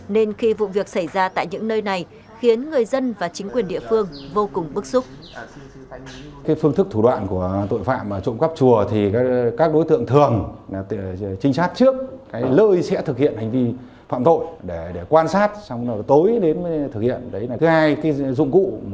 nên khi vụ việc xảy ra tại những nơi này khiến người dân và chính quyền địa phương vô cùng bức xúc